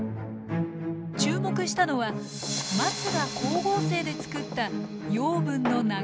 注目したのはマツが光合成で作った養分の流れです。